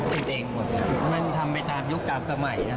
ติดเองหมดครับมันทำไปตามยุคกลางสมัยนะ